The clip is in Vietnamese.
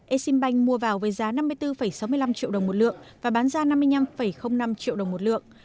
exim bank mua vào với giá năm mươi bốn sáu mươi năm triệu đồng một lượng và bán ra năm mươi năm năm triệu đồng một lượng